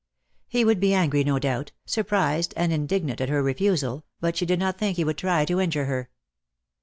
He would be angry no doubt, surprised and in dignant at her refusal, but she did not think he would try to injure her.